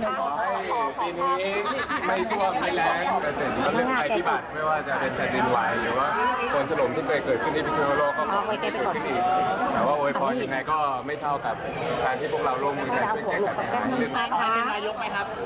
แต่ว่าโหยพรถยังไงก็ไม่เท่ากับทางที่พวกเราร่วมกันช่วยเจอกันในทางหนึ่ง